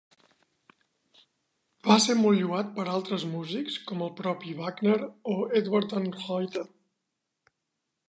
Va ser molt lloat per altres músics com el propi Wagner o Edward Dannreuther.